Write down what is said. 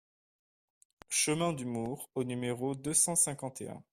Chemin du Moure au numéro deux cent cinquante et un